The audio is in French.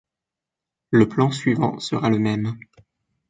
le plan suivant sera le même.